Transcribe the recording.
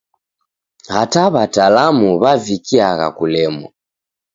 Hata w'atalamu w'avikiagha kulemwa.